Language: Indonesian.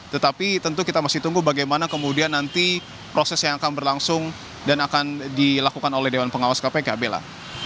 tetapi tentu kita masih tunggu bagaimana kemudian nanti proses yang akan berlangsung dan akan dilakukan oleh dewan pengawas kpk bella